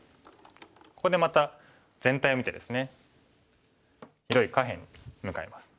ここでまた全体を見てですね広い下辺に向かいます。